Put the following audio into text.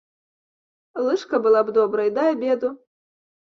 Лыжка была б добрай да абеду.